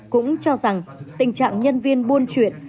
cũng cho rằng tình trạng nhân viên buôn chuyện